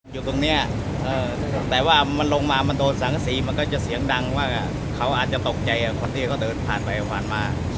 อยู่ตรงนี้แต่ว่ามันลงมามันโดนสังสีมันก็จะเสียงดังว่าเขาอาจจะตกใจกับคนที่เขาเดินผ่านไปผ่านมา